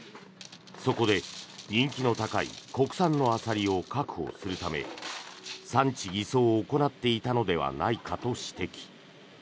そこで人気の高い国産のアサリを確保するため産地偽装を行っていたのではないかと指摘。